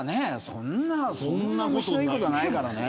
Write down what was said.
そんな虫のいいことないからね。